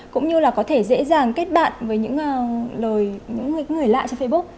cũng như là có thể dễ dàng kết bạn với những người lạ trên facebook